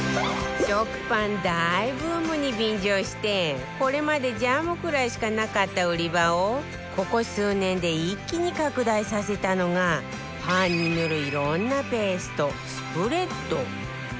食パン大ブームに便乗してこれまでジャムくらいしかなかった売り場をここ数年で一気に拡大させたのがパンに塗るいろんなペーストスプレッド